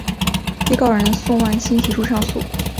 被告人宋万新提出上诉。